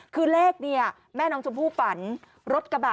คือเลขเนี่ยแม่น้องชมพู่ฝันรถกระบะ